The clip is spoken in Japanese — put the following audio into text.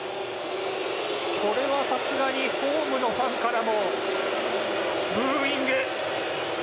これはさすがにホームのファンからもブーイング。